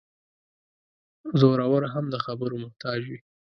زورور هم د خبرو محتاج وي.